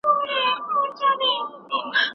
مال او شتمني د ازمېښت وسیله ده.